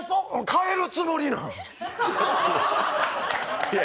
帰るつもりなん？